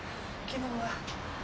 昨日は。